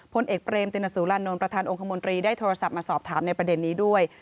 พลเอกเปรมตินสุรานนท์ประธานองคมนตรีได้โทรศัพท์มาสอบถามในประเด็นนี้ด้วย